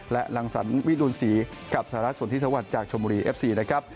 และรังสรรวิรุณศรีกับสหรัฐสนทิสวัสดิ์จากชมบุรีเอฟซีนะครับ